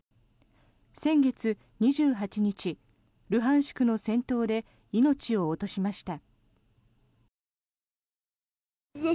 先月２８日、ルハンシクの戦闘で命を落としました。